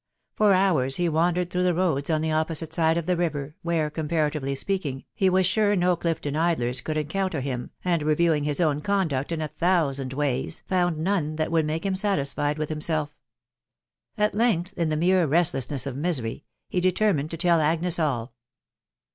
For hours he wandered, through the roads on the opposite side of the river, where, comparatively speaking, he was sure no Clifton idlers could encounter him ; and, reviewing his own conduct in a thousand ways, found none that would make him satisfied with himself. At length, in the mere restlessness of misery, he determined to tell Agnes all.